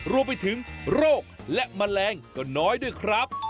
รวมไปถึงโรคและแมลงก็น้อยด้วยครับ